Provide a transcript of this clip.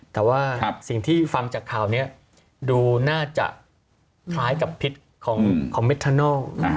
แต่ว่าสิ่งที่ฟังจากข่าวนี้ดูน่าจะคล้ายกับพิษของเมทานัล